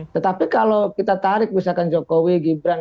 tetapi kalau kita tarik misalkan jokowi gibran